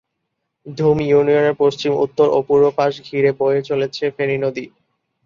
ধুম ইউনিয়নের পশ্চিম, উত্তর ও পূর্ব পাশ ঘিরে বয়ে চলেছে ফেনী নদী।